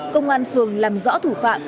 công an phường làm rõ thủ phạm